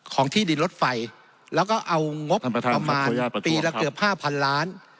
ที่ดินรถไฟแล้วก็เอางบประมาณปีละเกือบห้าพันล้าน